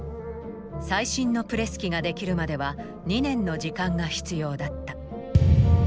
最新のプレス機ができるまでは２年の時間が必要だった。